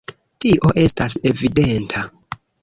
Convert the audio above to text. Tio estas evidenta.